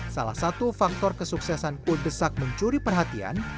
salah satu faktor kesuksesan kuldesak mencuri perhatian